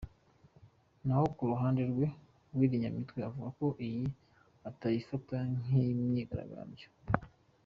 Naho ku ruhande rwe, Willy Nyamitwe avuga ko iyi atayifata nk’imyigaragambyo.